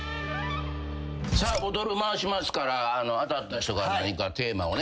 ボトル回しますから当たった人が何かテーマをね。